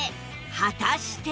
果たして